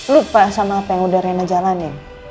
lupa sama apa yang udah rena jalanin